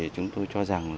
chúng tôi cho rằng